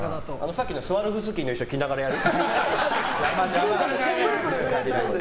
さっきのスワロフスキーの衣装着ながらやる？